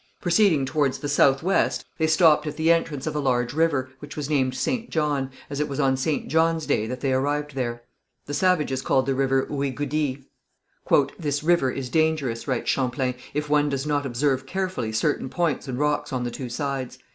Proceeding towards the south west they stopped at the entrance of a large river, which was named St. John, as it was on St. John's day that they arrived there. The savages called the river Ouigoudi. "This river is dangerous," writes Champlain, "if one does not observe carefully certain points and rocks on the two sides.